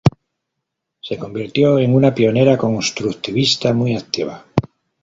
Se convirtió en una pionera constructivista muy activa.